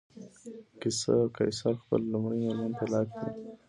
قیصر خپله لومړۍ مېرمن طلاق کړه.